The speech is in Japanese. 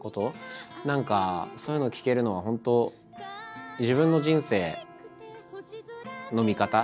何かそういうのを聞けるのは本当自分の人生の見方